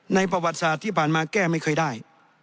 ประวัติศาสตร์ที่ผ่านมาแก้ไม่เคยได้